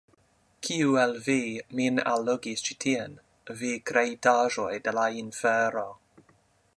Kiu el vi min allogis ĉi tien, vi kreitaĵoj de la infero?